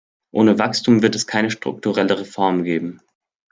Ohne Wachstum wird es keine strukturelle Reform geben.